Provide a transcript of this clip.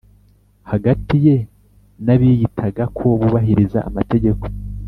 . Hagati ye n’abiyitaga ko bubahiriza amategeko